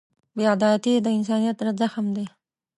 بېعدالتي د انسانیت زخم دی.